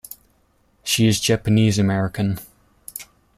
She is Japanese American.